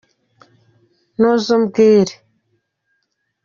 nuza umbwire.